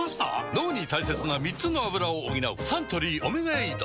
脳に大切な３つのアブラを補うサントリー「オメガエイド」